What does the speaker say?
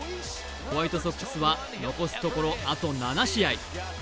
ホワイトソックスは残すところあと７試合。